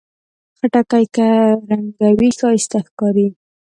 خټکی که رنګه وي، ښایسته ښکاري.